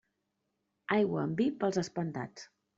Aigua amb vi, pels espantats.